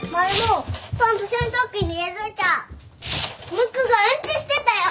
ムックがうんちしてたよ。